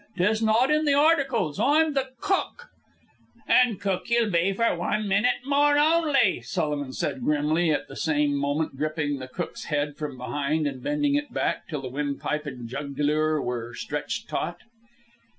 'Tis not in the articles. I'm the cook " "An' cook ye'll be for wan minute more only," Sullivan said grimly, at the same moment gripping the cook's head from behind and bending it back till the windpipe and jugular were stretched taut.